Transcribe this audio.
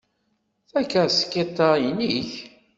Takaskiṭ-a inek?